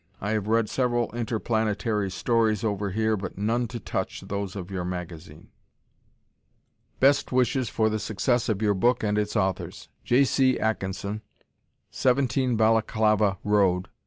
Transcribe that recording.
I have read several interplanetary stories over here but none to touch those of your magazine. Best wishes for the success of your book and its authors. J. C. Atkinson, 17 Balaclava Rd.